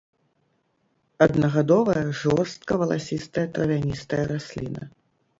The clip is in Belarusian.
Аднагадовая жорстка валасістая травяністая расліна.